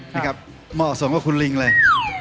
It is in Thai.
เหมาะสมกับคุณลิงเลย